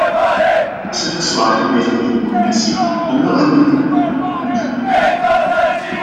Deze verslagen werden in de commissie zonder amendementen goedgekeurd.